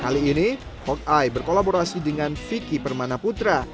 kali ini hot eye berkolaborasi dengan vicky permana putra